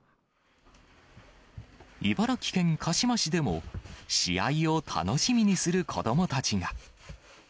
茨城県鹿嶋市でも、試合を楽しみにする子どもたちが。